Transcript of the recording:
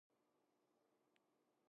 散歩が好き